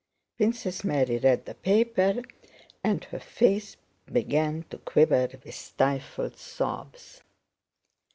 Princess Mary read the paper, and her face began to quiver with stifled sobs.